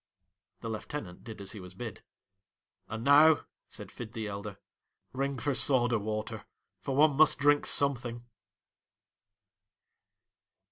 The lieutenant did as he was bid. 'And now,' said Fid the elder, 'ring for soda water ; for one must drink something?